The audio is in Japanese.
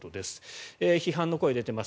批判の声が出ています。